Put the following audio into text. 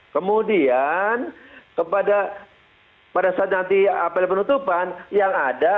kemudian kepada pada saat nanti apel penutupan yang ada